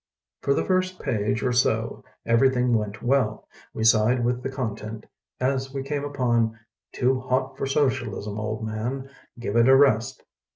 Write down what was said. For the first page or so everything went well. We sighed with content as we came upon, "Too hot for Social ism, old man. Give it a rest.'